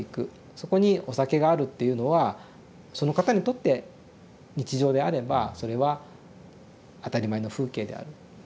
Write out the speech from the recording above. そこにお酒があるっていうのはその方にとって日常であればそれは当たり前の風景である。